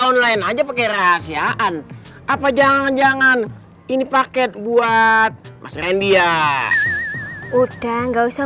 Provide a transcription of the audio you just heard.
online aja pakai rahasiaan apa jangan jangan ini paket buat mas rendia udah nggak usah